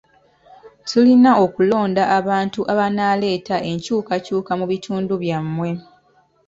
Tulina okulonda abantu abanaaleeta enkyukakyuka mu bitundu bya mmwe.